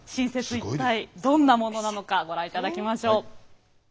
一体どんなものなのかご覧いただきましょう。